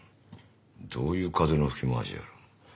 どういう風の吹き回しや。